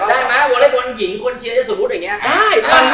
ได้ไหมวอเลสบอลหญิงคนเชียร์อย่างนี้